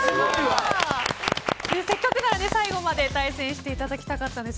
せっかくなので最後まで対戦していただきたかったです。